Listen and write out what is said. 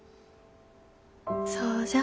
そうじゃ。